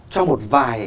cho một vài